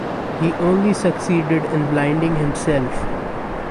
He only succeeded in blinding himself.